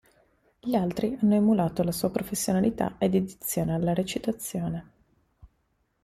Gli altri hanno emulato la sua professionalità e dedizione alla recitazione".